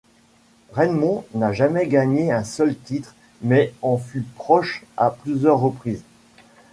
Redmond n'a jamais gagné un seul titre mais en fut proche à plusieurs reprises.